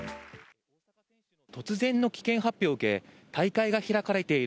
突然の棄権発表を受け大会が開かれている